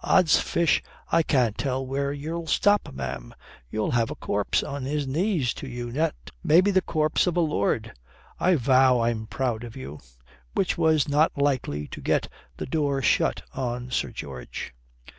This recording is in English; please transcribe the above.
"Odds fish, I can't tell where you'll stop, ma'am. You'll have a corpse on his knees to you yet. Maybe the corpse of a lord. I vow I'm proud of you." Which was not likely to get the door shut on Sir George.